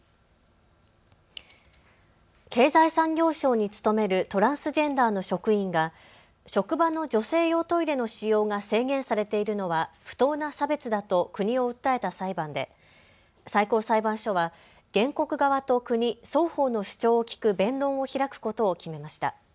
経済産業省に勤めるトランスジェンダーの職員が職場の女性用トイレの使用が制限されているのは不当な差別だと国を訴えた裁判で最高裁判所は原告側と国、双方の主張を聞く弁論を開くことを決めました。